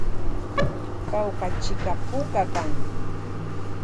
Kawkachika puka kan.